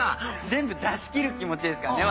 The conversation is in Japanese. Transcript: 全部出し切る気持ちですからね